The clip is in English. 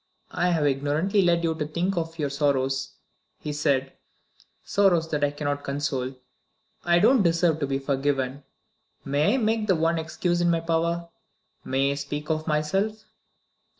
"I have ignorantly led you to think of your sorrows," he said; "sorrows that I cannot console. I don't deserve to be forgiven. May I make the one excuse in my power? May I speak of myself?"